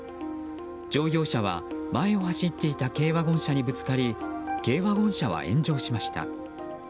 乗用車は、前を走っていた軽ワゴン車にぶつかり軽ワゴン車は炎上しました。